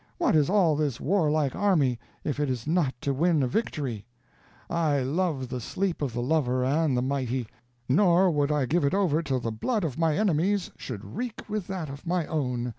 what is all this warlike army, if it is not to win a victory? I love the sleep of the lover and the mighty; nor would I give it over till the blood of my enemies should wreak with that of my own.